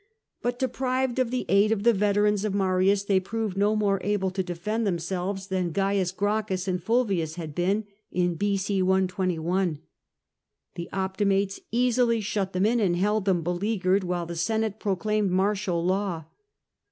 But deprived of tiie aid of the veterans of Marins, they proved no more able to defend themselves than Cains Gracchns and Fnlvins had been in B.c. 12 1 . The Optimates easily shut them in and held them beleaguered, while the Senate proclaimed martial law.